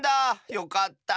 よかった。